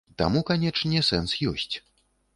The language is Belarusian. Таму, канечне, сэнс ёсць.